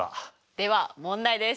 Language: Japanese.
では問題です。